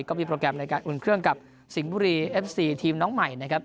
โปรแกรมในการอุ่นเครื่องกับสิงห์บุรีเอฟซีทีมน้องใหม่นะครับ